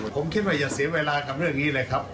ผมคิดว่าอย่าเสียเวลากับเรื่องนี้เลยครับ